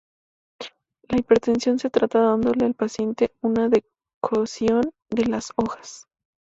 La hipertensión se trata dándole al paciente una decocción de las hojas.